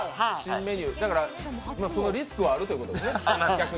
リスクはあるということですね。